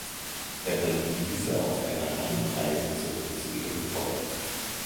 Er bringt diese auf einer langen Reise zurück zu ihrem Volk.